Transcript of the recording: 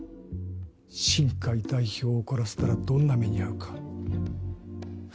新偕代表を怒らせたらどんな目に遭うか。